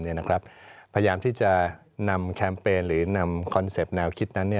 พยายามที่จะนำแคมเปญหรือนำคอนเซ็ปต์แนวคิดนั้น